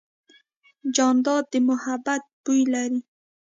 جانداد د محبت بویه لري.